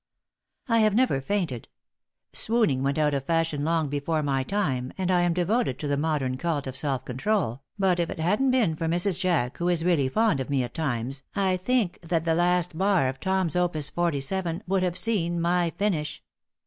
I have never fainted. Swooning went out of fashion long before my time, and I am devoted to the modern cult of self control, but if it hadn't been for Mrs. Jack, who is really fond of me at times, I think that the last bar of Tom's Opus 47 would have seen my finish.